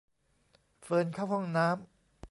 เฟิร์นเข้าห้องน้ำ